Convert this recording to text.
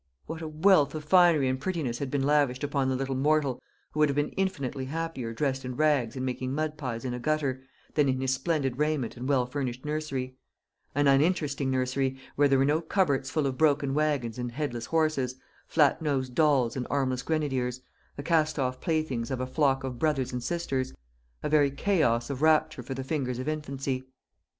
What a wealth of finery and prettiness had been lavished upon the little mortal, who would have been infinitely happier dressed in rags and making mud pies in a gutter, than in his splendid raiment and well furnished nursery; an uninteresting nursery, where there were no cupboards full of broken wagons and head less horses, flat nosed dolls and armless grenadiers, the cast off playthings of a flock of brothers and sisters a very chaos of rapture for the fingers of infancy!